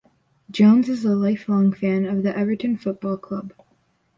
Jones is a lifelong fan of Everton Football Club.